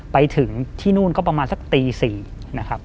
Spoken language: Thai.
ไปถึงที่นู่นก็ประมาณสักตี๔นะครับ